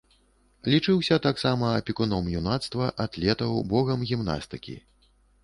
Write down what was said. Лічыўся таксама апекуном юнацтва, атлетаў, богам гімнастыкі.